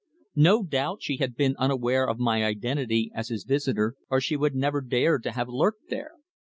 No doubt she had been unaware of my identity as his visitor, or she would never dared to have lurked there.